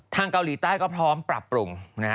เกาหลีใต้ก็พร้อมปรับปรุง